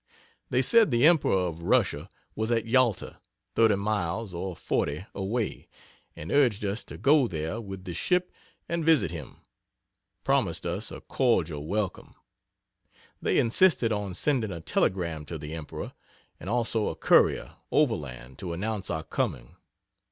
They said the Emperor of Russia was at Yalta, 30 miles or 40 away, and urged us to go there with the ship and visit him promised us a cordial welcome. They insisted on sending a telegram to the Emperor, and also a courier overland to announce our coming.